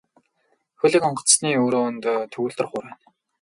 Хөлөг онгоцны өрөөнд төгөлдөр хуур байна.